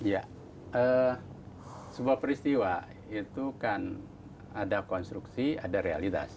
ya sebuah peristiwa itu kan ada konstruksi ada realitas